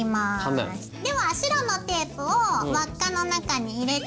では白のテープを輪っかの中に入れて。